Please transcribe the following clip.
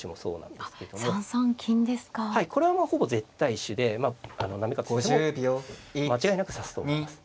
はいこれはまあほぼ絶対手で行方先生も間違いなく指すと思います。